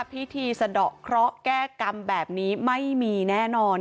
พิธีสะดอกเคราะห์แก้กรรมแบบนี้ไม่มีแน่นอน